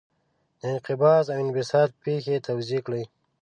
د انقباض او انبساط پېښې توضیح کړئ.